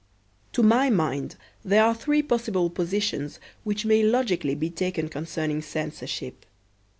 To my mind there are three possible positions which may logically be taken concerning censorship.